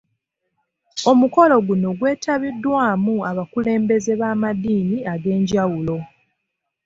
Omukolo guno gwetabiddwamu abakulembeze b'amadiini ag'enjawulo.